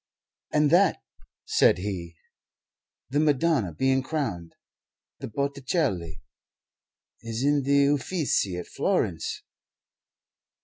"And that," said he "the Madonna being crowned the Botticelli is in the Uffizi at Florence.